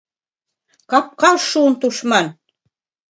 Капкаш шуын тушман!